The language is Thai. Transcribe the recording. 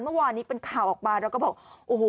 เมื่อวานนี้เป็นข่าวออกมาเราก็บอกโอ้โห